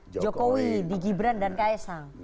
jokowi di gibran dan kaesang